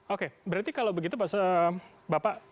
oke berarti kalau begitu bapak